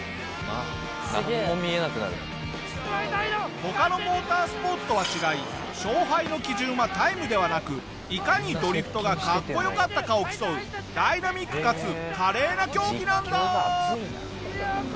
他のモータースポーツとは違い勝敗の基準はタイムではなくいかにドリフトがかっこ良かったかを競うダイナミックかつ華麗な競技なんだ！